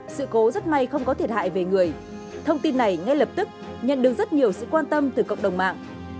sự cố rất may không có thiệt hại về người thông tin này ngay lập tức nhận được rất nhiều sự quan tâm từ cộng đồng mạng